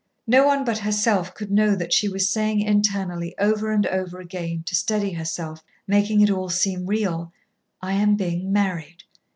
No one but herself could know that she was saying internally over and over again, to steady herself, making it all seem real, "I am being married.